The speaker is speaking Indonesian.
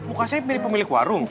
muka saya pilih pemilik warung